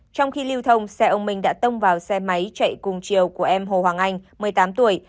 trong khi lưu thông xe ông minh đã tông vào xe máy chạy cùng chiều của em hồ hoàng anh một mươi tám tuổi